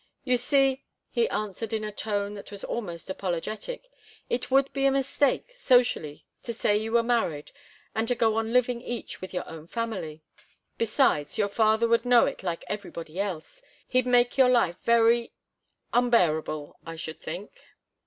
"You see," he answered, in a tone that was almost apologetic, "it would be a mistake, socially, to say you were married, and to go on living each with your own family besides, your father would know it like everybody else. He'd make your life very unbearable, I should think."